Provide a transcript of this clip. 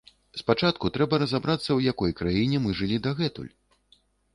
Спачатку трэба разабрацца, у якой краіне мы жылі дагэтуль.